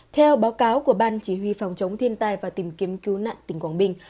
theo báo cáo của ban chỉ huy phòng chống thiên tai và tìm kiếm cứu nạn tỉnh quảng bình